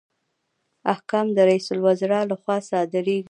احکام د رئیس الوزرا لخوا صادریږي